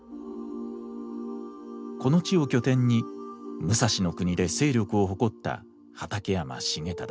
この地を拠点に武蔵国で勢力を誇った畠山重忠。